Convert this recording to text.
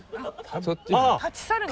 そっちね。